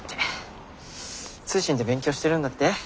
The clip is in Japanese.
通信で勉強してるんだって？